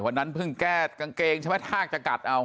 วันนั้นเพิ่งแก้กางเกงใช่ไหมทากจะกัดเอา